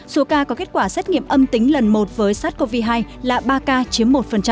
số ca có kết quả xét nghiệm âm tính lần một với sars cov hai là ba ca chiếm một